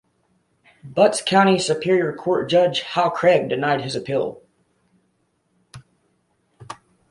Butts County Superior Court judge Hal Craig denied his appeal.